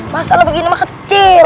masalah begini mah kecil